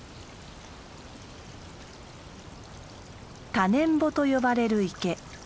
「タネンボ」と呼ばれる池。